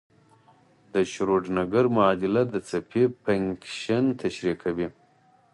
د شروډنګر معادله د څپې فنکشن تشریح کوي.